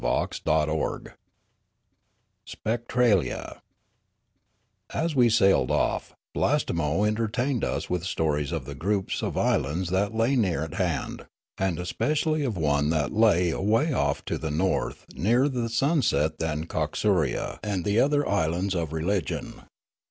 CHAPTER XXXIV SPECTRALIA " AS we sailed off, Blastemo entertained us with r\ stories of the groups of islands that lay near at hand, and especially of one that lay away off to the north nearer the sunset than Coxuria and the other islands of religion.